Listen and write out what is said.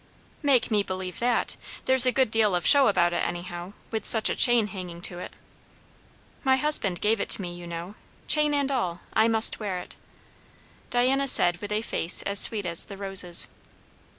"Make me believe that! There's a good deal of show about it, anyhow, with such a chain hanging to it." "My husband gave it to me, you know, chain and all; I must wear it," Diana said with a face as sweet as the roses.